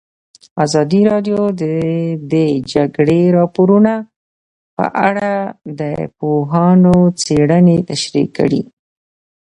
ازادي راډیو د د جګړې راپورونه په اړه د پوهانو څېړنې تشریح کړې.